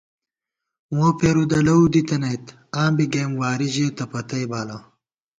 مو پېرُودہ لَؤ دِتَنَئیت ، آں بی گئیم واری ژېتہ پتئ بالہ